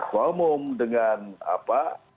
keumum dengan apa